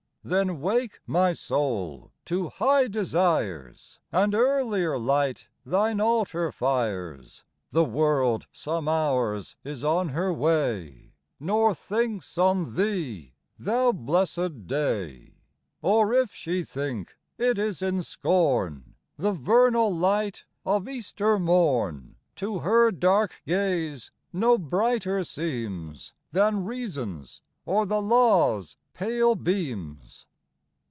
Then wake, my soul, to high desires, And earlier light thine altar fires : The World some hours is on her way, Nor thinks on thee, thou blessed day ; 95 Or, if she think, it is in scorn ; The vernal light of Easter morn To her dark gaze no brighter seems Than reason's or the law's pale beams.